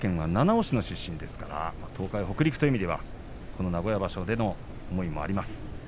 輝は石川県の七尾市の出身東海北陸という意味ではこの名古屋場所での思いもあります。